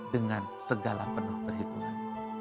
dengan segala penuh perhitungan